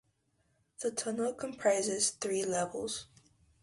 The tunnel comprises three levels.